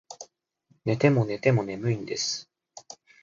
寝ても寝ても眠いんです